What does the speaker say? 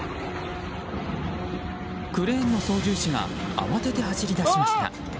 クレーンの操縦士が慌てて走り出しました。